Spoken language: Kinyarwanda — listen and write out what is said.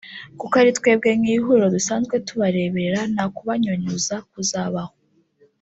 kuko ari twebwe nk’ihuriro dusanzwe tubareberera nta kubanyunyuza kuzabaho